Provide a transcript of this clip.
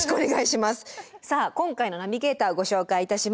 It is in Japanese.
さあ今回のナビゲーターご紹介いたします。